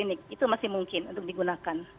ini itu masih mungkin untuk digunakan